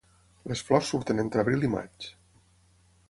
Les flors surten entre abril i maig.